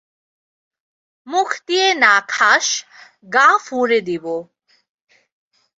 মুখ দিয়ে না খাস, গা ফুঁড়ে দেব।